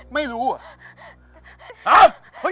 ไม่รู้วะ